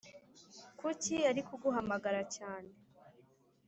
kuki arikuguhamagara cyane